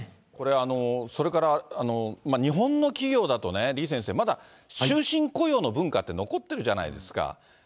これ、それから日本の企業だとね、李先生、まだ終身雇用の文化って残ってるじゃないですか。